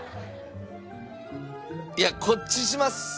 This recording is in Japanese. いやこっちにします！